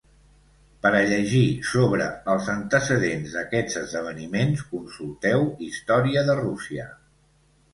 Per a llegir sobre els antecedents d'aquests esdeveniments, consulteu Història de Russia.